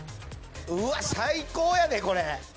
うわっ最高やでこれ。